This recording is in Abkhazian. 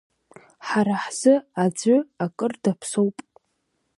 Ҳара ҳзы аӡәы акыр даԥсоуп.